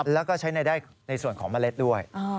แล้วก็ใช้ได้ในส่วนของเมล็ดด้วย